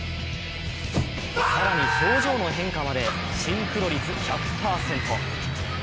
更に表情の変化まで、シンクロ率１００％。